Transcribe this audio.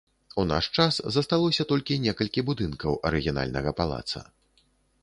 У наш час засталося толькі некалькі будынкаў арыгінальнага палаца.